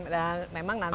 dan memang nanti